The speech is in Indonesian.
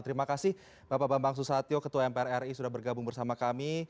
terima kasih bapak bambang susatyo ketua mpr ri sudah bergabung bersama kami